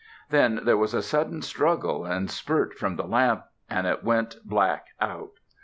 Then there was a sudden struggle and spurt from the lamp, and it went black out.